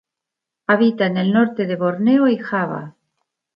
Habita en el norte de Borneo y Java.